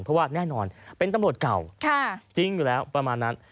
เพราะว่าแน่นอนเป็นตำรวจเก่าจริงอยู่แล้วประมาณนั้น